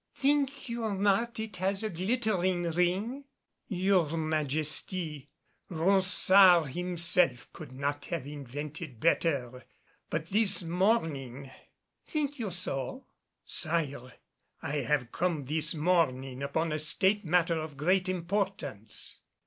Think you not it has a glittering ring?" "Your Majesty, Ronsard himself could not have invented better. But this morning " "Think you so?" "Sire, I have come this morning upon a State matter of great importance."